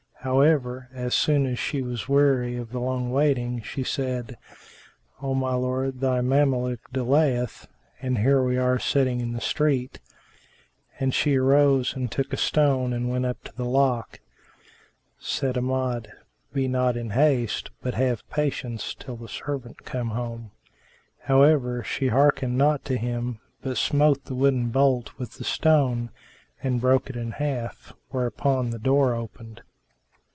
However, as soon as she was weary of long waiting, she said, "O my lord, thy Mameluke delayeth; and here are we sitting in the street;" and she arose and took a stone and went up to the lock. Said Amjad, "Be not in haste, but have patience till the servant come." However, she hearkened not to him, but smote the wooden bolt with the stone and broke it in half, whereupon the door opened.